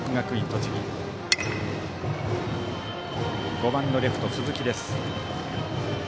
バッター、５番のレフト鈴木です。